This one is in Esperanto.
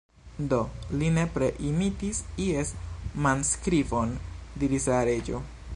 "Do, li nepre imitis ies manskribon," diris la Reĝo.